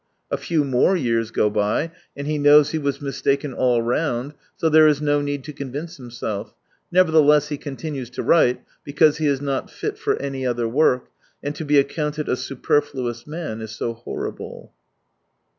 A few more years go by, and he knows he was mistaken all round, so there is no need to convince himself. Neverthe less he continues to write, because he is not fit for any other work, and to be accounted a " superfluous " man is so horrible.